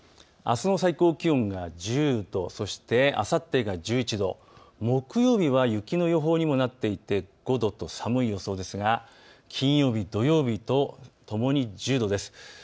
あすの最高気温が１０度、そしてあさってが１１度、木曜日は雪の予報にもなっていて５度と寒い予想ですが金曜日、土曜日とともに１０度です。